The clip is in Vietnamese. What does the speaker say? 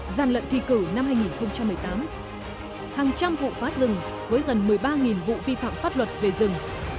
gian lận thi cử năm hai nghìn một mươi tám hàng trăm vụ phá rừng với gần một mươi ba vụ vi phạm pháp luật về rừng